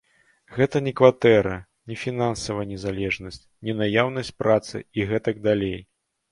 Гэта не кватэра, не фінансавая незалежнасць, не наяўнасць працы і гэтак далей.